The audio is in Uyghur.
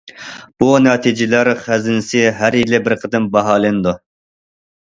بۇ نەتىجىلەر خەزىنىسى ھەر يىلى بىر قېتىم باھالىنىدۇ.